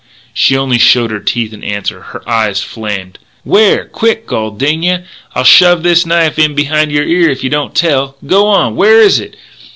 She only showed her teeth in answer. Her eyes flamed. "Where! Quick! Gol ding yeh, I'll shove this knife in behind your ear if you don't tell! Go on. Where is it?